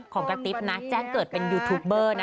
กระติ๊บนะแจ้งเกิดเป็นยูทูปเบอร์นะ